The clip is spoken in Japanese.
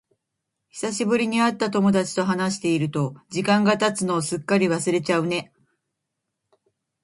久しぶりに会った友達と話していると、時間が経つのをすっかり忘れちゃうね。